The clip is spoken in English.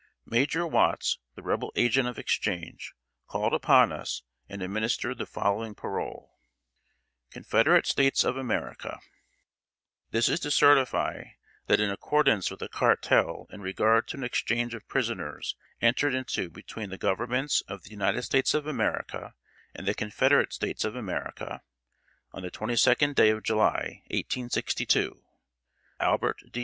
] Major Watts, the Rebel Agent of Exchange, called upon us and administered the following parole: CONFEDERATE STATES OF AMERICA. VICKSBURG, MISSISSIPPI, May 4, 1863. This is to certify, that in accordance with a Cartel in regard to an exchange of prisoners entered into between the Governments of the United States of America and the Confederate States of America, on the 22d day of July, 1862, Albert D.